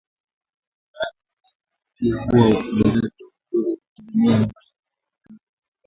uvunaji wa viazi pia huweza kufanyika kidogo kidogo kutegemeana na malengo ya mkulima